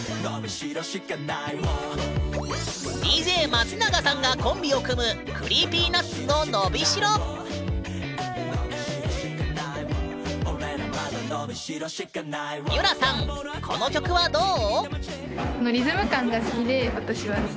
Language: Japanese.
ＤＪ松永さんがコンビを組むＣｒｅｅｐｙＮｕｔｓの『のびしろ』ゆらさんこの曲はどう？